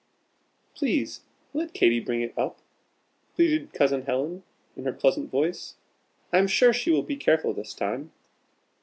"Please let Katy bring it up!" pleaded Cousin Helen, in her pleasant voice, "I am sure she will be careful this time.